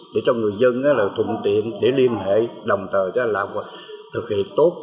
để cho người dân là thuận tiện để liên hệ đồng thời để làm thực hiện tốt